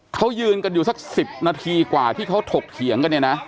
เขายืนกันอยู่สัก๑๐นาทีกว่าที่เขาถกเถียงกันเนี่ยนะ